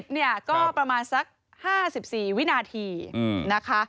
เนี่ยก็ประมาณสัก๕๔วินาทีนะคะ